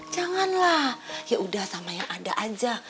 jangan lah yaudah sama yang ada aja